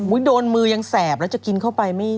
โอ้ยโดนมือยังแสบแล้วจะกินเข้าไปมั้ย